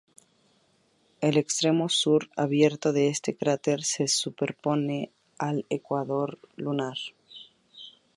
El extremo sur abierto de este cráter se superpone con el ecuador lunar.